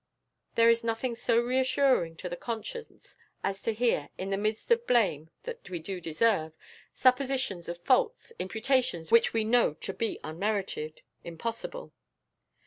There is nothing so reassuring to the conscience as to hear, in the midst of blame that we do deserve, suppositions of faults, imputations which we know to be unmerited impossible.